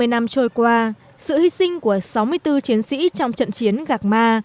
bảy mươi năm trôi qua sự hy sinh của sáu mươi bốn chiến sĩ trong trận chiến gạc ma